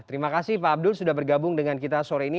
terima kasih pak abdul sudah bergabung dengan kita sore ini